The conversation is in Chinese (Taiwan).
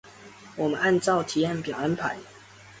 我們就按照提案表安排